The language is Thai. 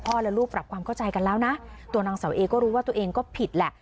และลูกปรับความเข้าใจกันแล้วนะตัวนางเสาเอก็รู้ว่าตัวเองก็ผิดแหละ